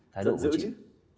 thái độ của chị